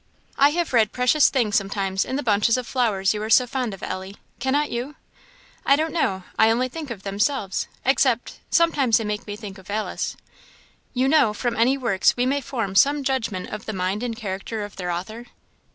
"I have read precious things sometimes in the bunches of flowers you are so fond of, Ellie. Cannot you?" "I don't know; I only think of themselves; except sometimes they make me think of Alice." "You know, from any works we may form some judgment of the mind and character of their author?"